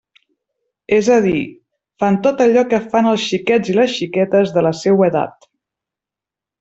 És a dir, fan tot allò que fan els xiquets i les xiquetes de la seua edat.